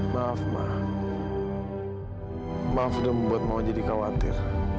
maaf ma maaf udah membuat mama jadi khawatir